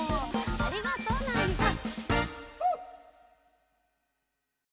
ありがとうナーニさん。